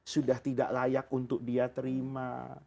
sudah tidak layak untuk dia terima